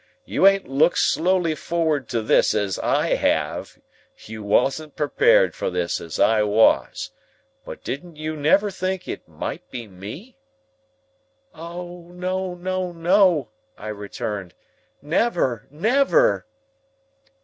You ain't looked slowly forward to this as I have; you wosn't prepared for this as I wos. But didn't you never think it might be me?" "O no, no, no," I returned, "Never, never!"